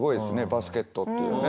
バスケットっていうね